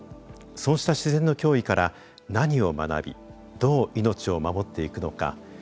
そうした自然の脅威から何を学びどう命を守っていくのか。